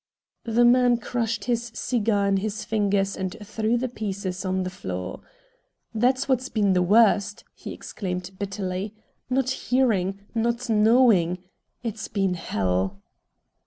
The man crushed his cigar in his fingers and threw the pieces on the floor. "That's what's been the worst!" he exclaimed bitterly. "Not hearing, not knowing. It's been hell!"